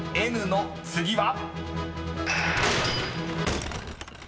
［「ｄ」の次は］